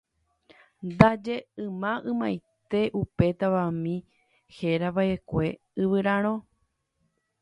Ndaje yma ymaite upe Tavami herava'ekue Yvyraro.